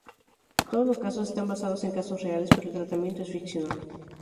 Todos los casos están basados en casos reales, pero el tratamiento es ficcional.